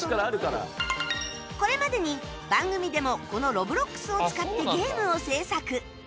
これまでに番組でもこの Ｒｏｂｌｏｘ を使ってゲームを制作